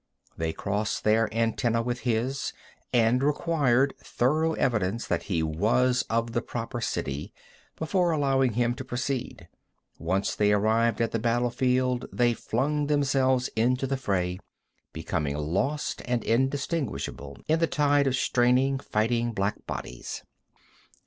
They crossed their antennæ upon his, and required thorough evidence that he was of the proper city before allowing him to proceed. Once they arrived at the battle field they flung themselves into the fray, becoming lost and indistinguishable in the tide of straining, fighting black bodies.